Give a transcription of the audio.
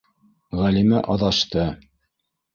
Ғәлимә аҙашты.